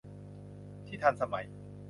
ที่ทันสมัย